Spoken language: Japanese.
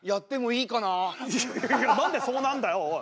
いやいや何でそうなんだよおい。